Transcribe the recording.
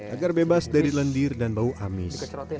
agar bebas dari lendir dan bau amis